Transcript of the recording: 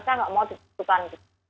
saya tidak mau ditutupkan